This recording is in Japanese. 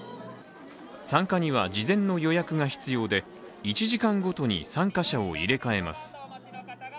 参加には事前の予約が必要で１時間ごとに参加者を入れ替えます。